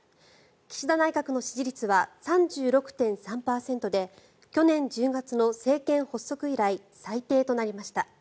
岸田内閣の支持率は３６．３％で去年１０月の政権発足以来最低となりました。